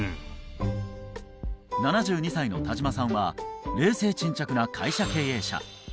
７２歳の田島さんは冷静沈着な会社経営者